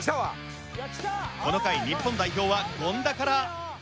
この回日本代表は権田から。